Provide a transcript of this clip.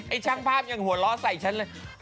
ช่างภาพยังหัวเราะใส่ฉันเลย